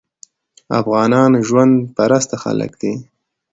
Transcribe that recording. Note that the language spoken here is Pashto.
افغانان ژوند پرسته خلک دي.